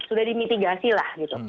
sudah dimitigasi lah gitu